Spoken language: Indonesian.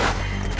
aku mau lihat